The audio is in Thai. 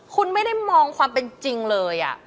คุณไม่ได้มองความเป็นจริงเลย